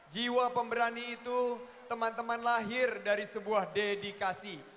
jiwa pemberani itu teman teman lahir dari sebuah dedikasi